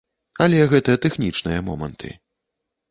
Але гэта тэхнічныя моманты.